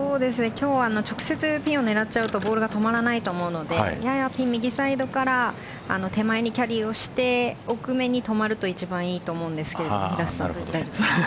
今日は直接ピンを狙っちゃうとボールが止まらないと思うのでやや右サイドから手前にキャリーをして奥めに止まると一番いいと思うんですけど。